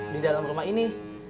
di dalam rumah ini